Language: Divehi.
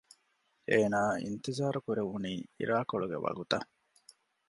އޭނާއަށް އިންތިޒާރު ކުރެވެނީ އިރާކޮޅުގެ ވަގުތަށް